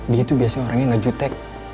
dia tuh biasanya orangnya gak jutek